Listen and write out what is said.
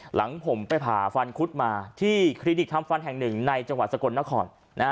หลังผมไปผ่าฟันคุดมาที่คลินิกทำฟันแห่งหนึ่งในจังหวัดสกลนคร